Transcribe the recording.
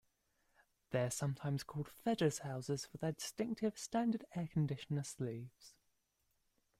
They are sometimes called "Fedders Houses" for their distinctive, standard air conditioner sleeves.